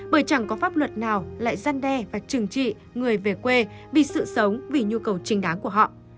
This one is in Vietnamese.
bởi chẳng có pháp luật nào lại gian đe và trừng trị người về quê vì sự sống vì nhu cầu trình đáng của họ